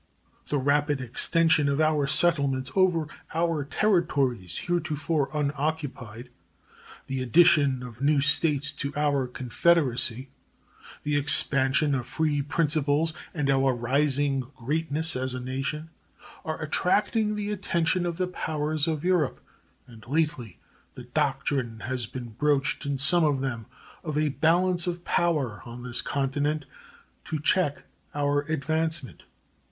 The rapid extension of our settlements over our territories heretofore unoccupied, the addition of new States to our Confederacy, the expansion of free principles, and our rising greatness as a nation are attracting the attention of the powers of Europe, and lately the doctrine has been broached in some of them of a "balance of power" on this continent to check our advancement.